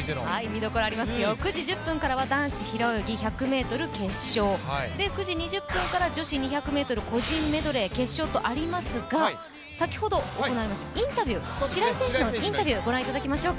９時１０分からは男子１００ｍ平泳ぎ男子決勝９時２０分から女子２００ｍ個人メドレー決勝がありますが、先ほど行いました白井選手のインタビュー、ご覧いただきましょう。